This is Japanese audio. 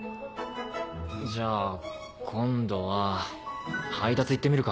じゃあ今度は配達行ってみるか。